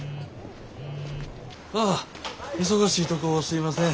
ああ忙しいとこすいません。